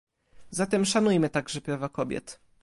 Zatem szanujmy także prawa kobiet